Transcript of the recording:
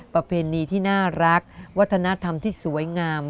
ประเพณีที่น่ารักวัฒนธรรมที่สวยงาม